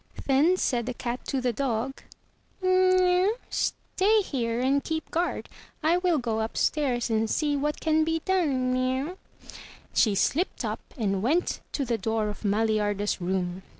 Then said the cat to the dog, "Stay you here and keep guard. I will go upstairs and see what can be done." She slipped up and went to the door of Maliarda's room.